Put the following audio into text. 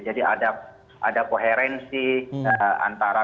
jadi ada koherensi antara